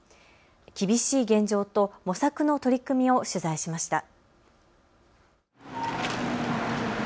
厳しい現状と模索の取り組みを取材しました。